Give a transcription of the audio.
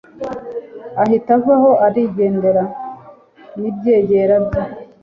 ahita avaho arigendera, nibyegera bye